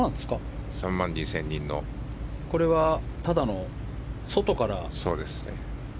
これはただの、外から？